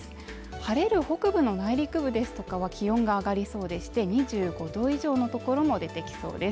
晴れる北部の内陸部ですとかは気温が上がりそうでして２５度以上のところも出てきそうです。